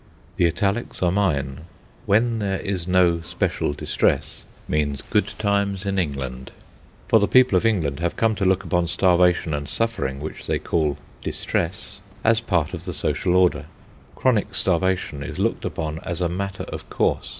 The italics are mine. "When there is no special distress" means good times in England; for the people of England have come to look upon starvation and suffering, which they call "distress," as part of the social order. Chronic starvation is looked upon as a matter of course.